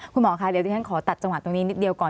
คุณหมอค่ะเดี๋ยวที่ฉันขอตัดจังหวะตรงนี้นิดเดียวก่อน